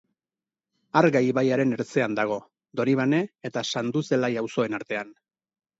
Arga ibaiaren ertzean dago, Donibane eta Sanduzelai auzoen artean.